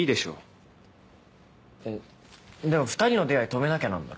えっでも２人の出会い止めなきゃなんだろ？